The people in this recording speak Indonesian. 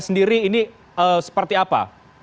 sendiri ini seperti apa